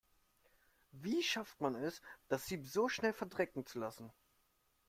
Wie schafft man es, das Sieb so schnell verdrecken zu lassen?